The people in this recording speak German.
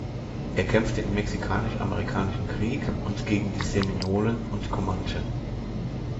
Er kämpfte im Mexikanisch-Amerikanischen Krieg und gegen die Seminolen und Comanche.